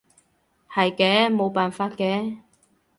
係嘅，冇辦法嘅